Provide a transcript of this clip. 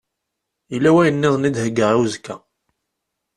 Yella wayen-nniḍen i d-heggaɣ i uzekka.